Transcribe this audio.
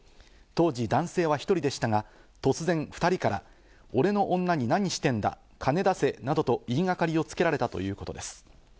当時男性は１人でしたが突然２人から、俺の女に何してんだ、カネを出せなどと言いがかりをつけられたということです。